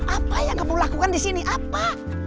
apa yang kamu lakukan disini apa